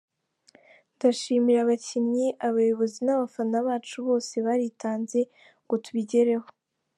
Ndashimira abakinnyi, abayobozi n’abafana bacu bose baritanze ngo tubigereho.